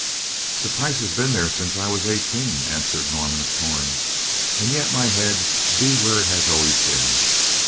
"The price has been there since I was eighteen," answered Norman of Torn, "and yet my head be where it has always been.